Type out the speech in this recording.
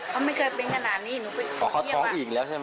ก่อนหน้านี้เขาเคยมีดื่มเหล้ามีทะเลาะไหม